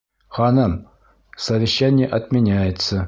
Ханым, совещание отменяется.